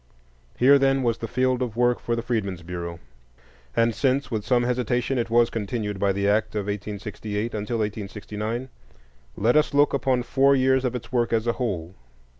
Here, then, was the field of work for the Freedmen's Bureau; and since, with some hesitation, it was continued by the act of 1868 until 1869, let us look upon four years of its work as a whole.